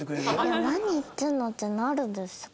いや何言ってんのってなるじゃないですか。